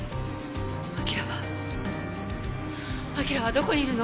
輝は輝はどこにいるの？